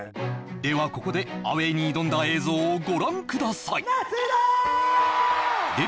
ではここでアウェイに挑んだ映像をご覧ください「夏色」！